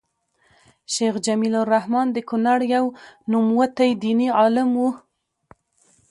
شيخ جميل الرحمن د کونړ يو نوموتی ديني عالم وو